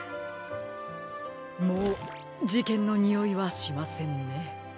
もうじけんのにおいはしませんね。